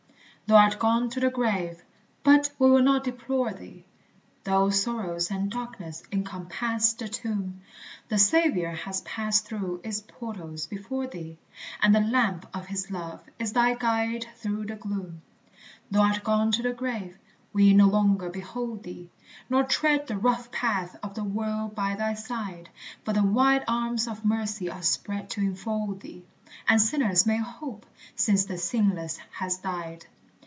Thou art gone to the grave but we will not deplore thee, Though sorrows and darkness encompass the tomb; The Saviour has passed through its portals before thee, And the lamp of His love is thy guide through the gloom. Thou art gone to the grave we no longer behold thee, Nor tread the rough path of the world by thy side; But the wide arms of mercy are spread to enfold thee, And sinners may hope, since the Sinless has died.